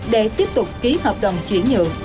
để tiếp tục ký hợp đồng chuyển nhượng